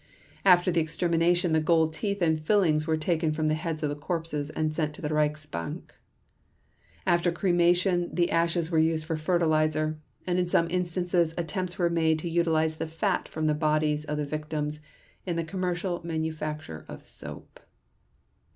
After the extermination the gold teeth and fillings were taken from the heads of the corpses and sent to the Reichsbank. After cremation the ashes were used for fertilizer, and in some instances attempts were made to utilize the fat from the bodies of the victims in the commercial manufacture of soap.